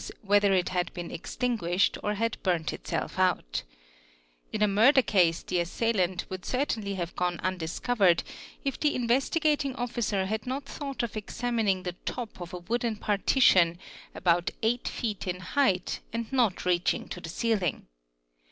whether it had beer extinguished or had burnt itself out); im a murder case the assailant would certainly have gone undiscovered if the Investigating Officer had not thought of examining the top of a wooden partition about 8 feet in height and not reaching to the ceiling.